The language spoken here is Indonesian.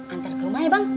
anter ke rumah ya bang